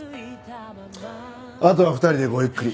あとは２人でごゆっくり。